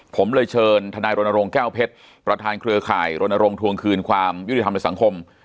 ผมเลยเชิญทนายรณรงค์แก้วเพชรประธานเครือข่ายรณรงค์ทวงคืนความยุติธรรมในสังคม